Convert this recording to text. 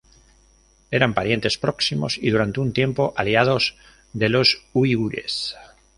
Eran parientes próximos y, durante un tiempo, aliados de los uigures.